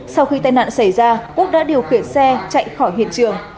sau khi tai nạn xảy ra quốc đã điều khiển xe chạy khỏi hiện trường